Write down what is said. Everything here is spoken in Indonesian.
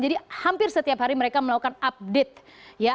jadi hampir setiap hari mereka melakukan update